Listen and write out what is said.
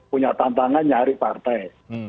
punya tantangan nyari partai